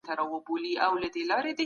هر څه منم پر شخصيت